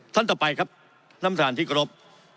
ท่านต่อไปครับนำทหารที่กรบ